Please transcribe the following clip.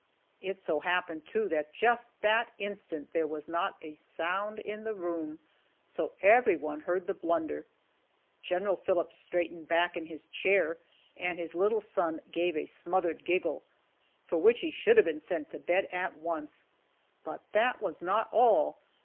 It so happened, too, that just that instant there was not a sound in the room, so everyone heard the blunder. General Phillips straightened back in his chair, and his little son gave a smothered giggle for which he should have been sent to bed at once. But that was not all!